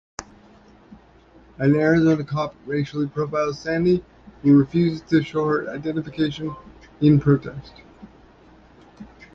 An Arizona cop racially profiles Sandi, who refuses to show her identification in protest.